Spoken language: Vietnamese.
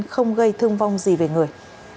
không gây thương vong gì về người